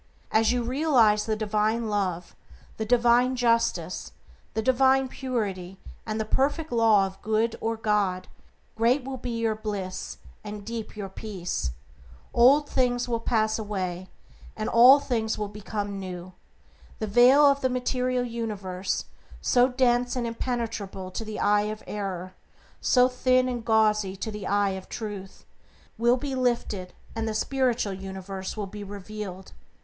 As you realize the divine Love, the divine Justice, the divine Purity, the Perfect Law of Good, or God, great will be your bliss and deep your peace. Old things will pass away, and all things will become new. The veil of the material universe, so dense and impenetrable to the eye of error, so thin and gauzy to the eye of Truth, will be lifted and the spiritual universe will be revealed.